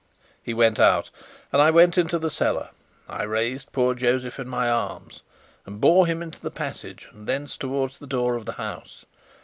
He went out, and I went to the cellar. I raised poor Josef in my arms and bore him into the passage and thence towards the door of the house.